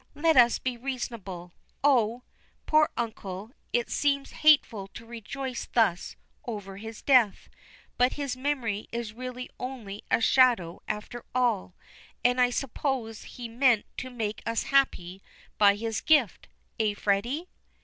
"Let us be reasonable. Oh! poor old uncle, it seems hateful to rejoice thus over his death, but his memory is really only a shadow after all, and I suppose he meant to make us happy by his gift, eh, Freddy?"